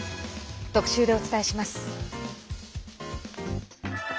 特集でお伝えします。